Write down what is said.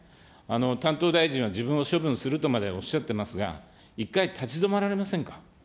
担当大臣は自分を処分するとまでおっしゃってますが、一回、立ち止まられませんか。